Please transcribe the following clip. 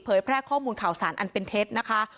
แพร่ข้อมูลข่าวสารอันเป็นเท็จนะคะ